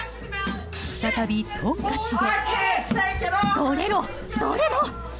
再びトンカチで。